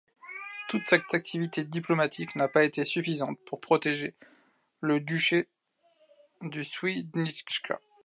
Toute cette activité diplomatique n’a pas été suffisante pour protéger le duché de Świdnica.